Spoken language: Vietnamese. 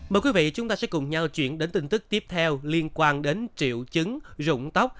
mời quý vị chúng ta sẽ cùng nhau chuyển đến tin tức tiếp theo liên quan đến triệu chứng rụng tóc